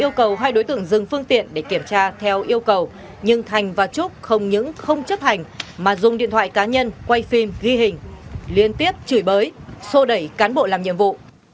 tổ công tác đã đuổi theo yêu cầu hai đối tượng dừng phương tiện để kiểm tra theo yêu cầu nhưng thành và trúc không những không chấp hành mà dùng điện thoại cá nhân quay phim ghi hình liên tiếp chửi bới sô đẩy cán bộ làm nhiệm vụ